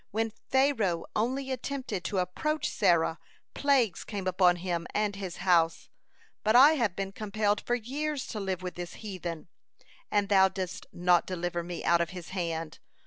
When Pharaoh only attempted to approach Sarah, plagues came upon him and his house, but I have been compelled for years to live with this heathen, and Thou dost not deliver me out of his hand.